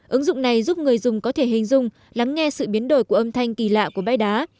ứng dụng này giúp người dùng có thể hình dung lắng nghe sự biến đổi của âm thanh kỳ lạ của bãi đá